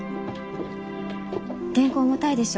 原稿重たいでしょ？